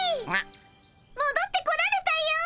もどってこられたよ！